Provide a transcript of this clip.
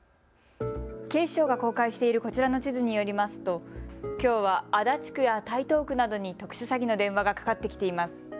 警視庁が公開しているこちらの地図によりますときょうは足立区や台東区などに特殊詐欺の電話がかかってきています。